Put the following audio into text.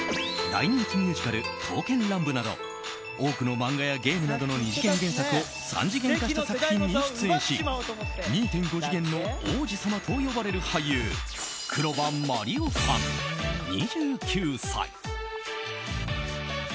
大人気ミュージカル「刀剣乱舞」など多くの漫画やゲームなどの２次元原作を３次元化した作品に出演し２．５次元の王子様と呼ばれる俳優・黒羽麻璃央さん、２９歳。